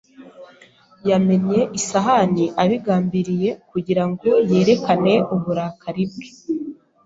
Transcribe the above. Yamennye isahani abigambiriye kugira ngo yerekane uburakari bwe.